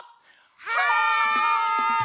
はい！